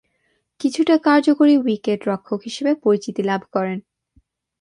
কিছুটা কার্যকরী উইকেট-রক্ষক হিসেবে পরিচিতি লাভ করেন।